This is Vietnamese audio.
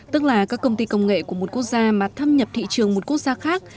tức là các công ty công nghệ của một quốc gia mà thâm nhập thị trường một quốc gia khác